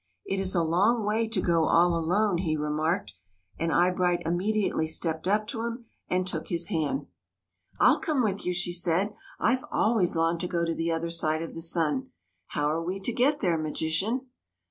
" It is a long way to go all alone," he remarked; and Eyebright immediately stepped up to him and took his hand. 40 THE MAGICIAN'S TEA PARTY " I '11 come with you," she said ;" I Ve always longed to go to the other side of the sun. How are we to get there, magician